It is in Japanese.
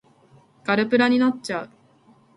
ガルプラになっちゃう